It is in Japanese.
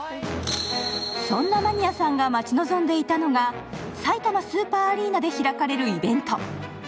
そんなマニアさんが待ち望んでいたのがさいたまスーパーアリーナで開かれるイベント。